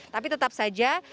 tapi tetap saja